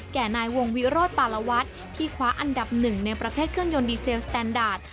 แก่นายวงวิโรธปาลวัฒน์ที่คว้าอันดับหนึ่งในประเภทเครื่องยนต์ดีเซลสแตนดาร์ด